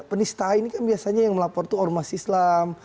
penistaan ini kan biasanya yang melapor itu ormas islam